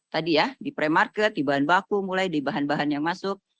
tadi ya di premarket di bahan baku mulai di bahan bahan yang masuk